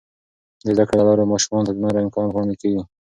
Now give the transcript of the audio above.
د زده کړې له لارې، ماشومانو ته نور امکانات وړاندې کیږي.